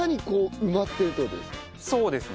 そうですね。